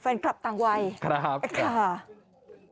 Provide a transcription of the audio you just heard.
แฟนคลับต่างวัยค่ะค่ะครับ